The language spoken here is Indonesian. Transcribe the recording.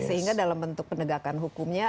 sehingga dalam bentuk penegakan hukumnya